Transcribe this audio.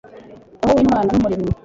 roho w'imana n'umuremyi